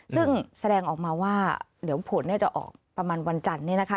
ซึ่งแสดงออกมาว่าเดี๋ยวผลจะออกประมาณวันจันทร์เนี่ยนะคะ